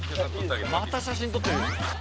「また写真撮ってるよ」